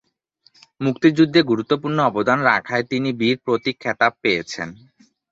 মুক্তিযুদ্ধে গুরুত্বপূর্ণ অবদান রাখায় তিনি বীর প্রতীক খেতাব পেয়েছেন।